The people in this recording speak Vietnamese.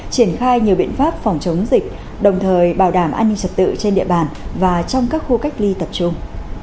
triển khai nhiều biện pháp phòng chống dịch đồng thời bảo đảm an ninh trật tự trên địa bàn và trong các khu cách ly tập trung